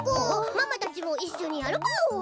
ママたちもいっしょにやるパオ。